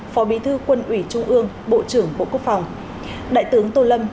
phó bí thư quân ủy trung ương bộ trưởng bộ quốc phòng đại tướng tô lâm